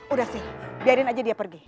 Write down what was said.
udah sih biarin aja dia pergi